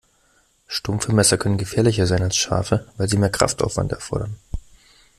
Stumpfe Messer können gefährlicher sein als scharfe, weil sie mehr Kraftaufwand erfordern.